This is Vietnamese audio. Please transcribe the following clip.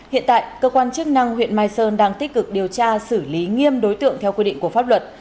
hiện tại cơ quan chức năng huyện mai sơn đang tích cực điều tra xử lý nghiêm đối tượng theo quy định của pháp luật